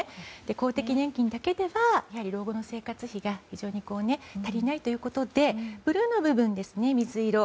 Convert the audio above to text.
公的年金だけではやはり老後の生活費が非常に足りないということでブルーの部分、水色